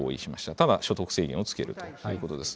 ただ所得制限をつけるということです。